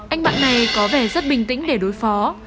anh bạn này có vẻ rất bình tĩnh để đối phó